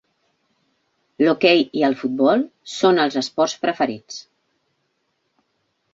L'hoquei i el futbol són els esports preferits.